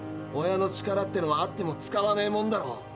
親の力ってのはあっても使わねえもんだろ。